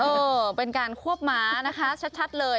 เออเป็นการควบม้านะคะชัดเลย